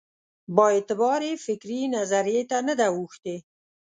بااعتبارې فکري نظریې ته نه ده اوښتې.